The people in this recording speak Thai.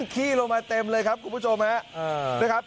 ขี้ลงมาเต็มเลยครับคุณผู้ชมนะครับ